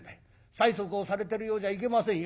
催促をされてるようじゃいけませんよ。